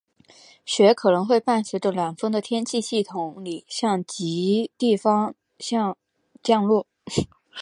雪可能会伴随着暖锋的天气系统里向极地方向降落。